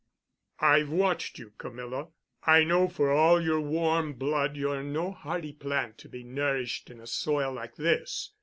"I've watched you, Camilla. I know. For all your warm blood, you're no hardy plant to be nourished in a soil like this.